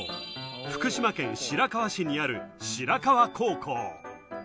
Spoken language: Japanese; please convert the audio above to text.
福島県白河市にある白河高校。